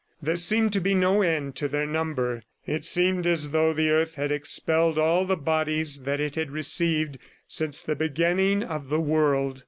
There seemed to be no end to their number; it seemed as though the earth had expelled all the bodies that it had received since the beginning of the world.